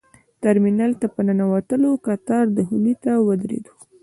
ترمینل ته په ننوتلو کتار دخولي ته ودرېدو.